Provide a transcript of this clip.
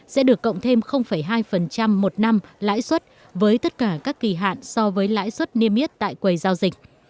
sẽ được cộng thêm hai một năm lãi suất với tất cả các kỳ hạn so với lãi suất niêm yết tại quầy giao dịch